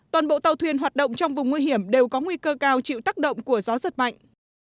toàn bộ tàu thuyền hoạt động trong vùng nguy hiểm đều có nguy cơ cao chịu tác động của gió giật mạnh